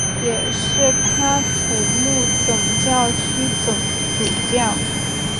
也是喀土穆总教区总主教。